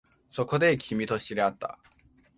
そこで、君と知り合った